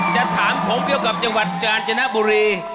จะถามผมเกี่ยวกับจังหวัดกาญจนบุรี